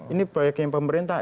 ini proyeknya pemerintah